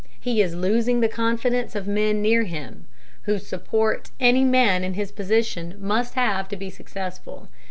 He is losing the confidence of men near him, whose support any man in his position must have to be successful.